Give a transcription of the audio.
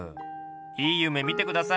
いい夢見て下さい！